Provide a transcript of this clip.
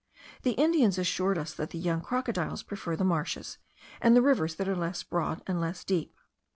The Indians assured us that the young crocodiles prefer the marshes, and the rivers that are less broad, and less deep.